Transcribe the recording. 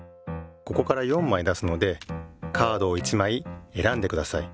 ここから４まい出すのでカードを１まいえらんでください。